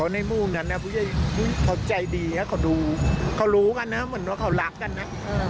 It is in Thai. ในมู่ท์นั้นสุดท้ายคนมีการมารับใจดีเขารู้อย่างเค้ารักกันนะ